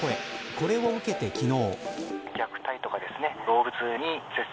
これを受けて昨日。